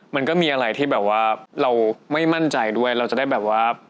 มันก็มีอะไรที่แบบว่าเราไม่มั่นใจด้วยเราจะได้แบบว่า